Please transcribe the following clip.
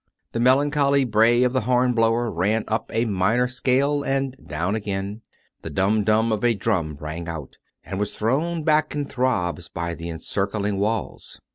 The melancholy bray of the horn blower ran up a minor scale and down again; the dub dub of a drum rang out, and was thrown back in throbs by the encircling walls.